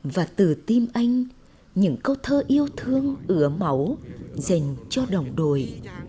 và từ tim anh những câu thơ yêu thương ứa máu dành cho đồng đội